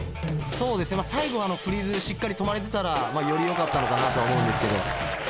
そうですね最後フリーズしっかり止まれてたらよりよかったのかなとは思うんですけど。